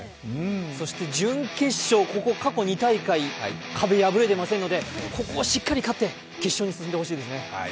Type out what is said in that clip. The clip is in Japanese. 準決勝過去２大会、壁を破れていませんのでここをしっかり勝って、決勝に進んでほしいですね。